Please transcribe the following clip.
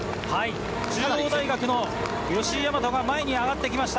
中央大学の吉居大和が前に上がってきました。